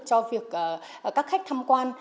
cho việc các khách tham quan